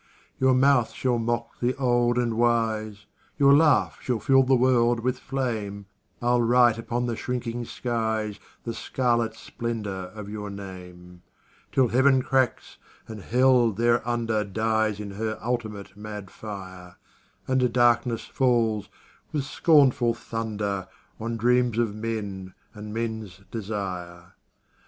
Your mouth shall mock the old and wise, Your laugh shall fill the world with flame, I'll write upon the shrinking skies The scarlet splendour of your name, Till Heaven cracks, and Hell thereunder Dies in her ultimate mad fire, And darkness falls, with scornful thunder, On dreams of men and men's desire.